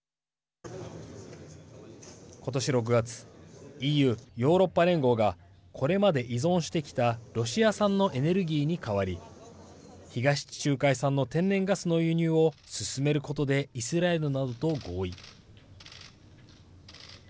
今年６月ＥＵ＝ヨーロッパ連合がこれまで依存してきたロシア産のエネルギーに代わり東地中海産の天然ガスの輸入を進めることでイスラエルなどと合意。